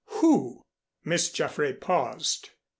Who?" Miss Jaffray paused.